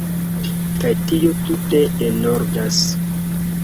Kaj tio tute enordas.